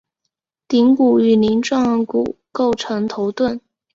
顶骨与鳞状骨构成头盾。